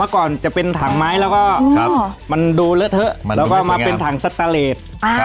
ก่อนจะเป็นถังไม้แล้วก็มันดูเลอะเทอะแล้วก็มาเป็นถังสตาเลส